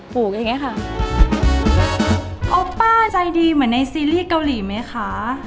ปลูกอย่างนี้ค่ะ